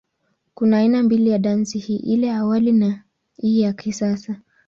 Kuna aina mbili ya dansi hii, ile ya awali na ya hii ya kisasa.